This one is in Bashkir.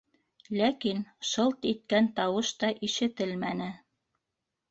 Ләкин шылт иткән тауыш та ишетелмәне.